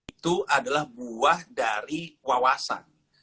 itu adalah buah dari wawasan